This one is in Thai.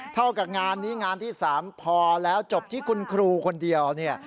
เท่ากับงานนี้งานที่๓พอแล้วจบที่คุณครูคนเดียวเนี่ย